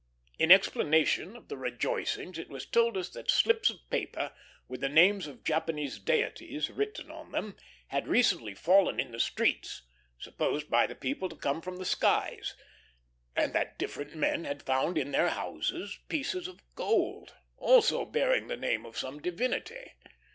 In explanation of the rejoicings, it was told us that slips of paper, with the names of Japanese deities written on them, had recently fallen in the streets, supposed by the people to come from the skies; and that different men had found in their houses pieces of gold, also bearing the name of some divinity.